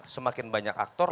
semakin banyak aktor